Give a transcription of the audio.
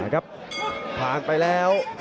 ครับผ่านไปแล้ว